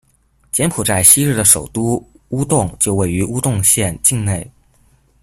柬埔寨昔日的首都乌栋就位于乌栋县境内。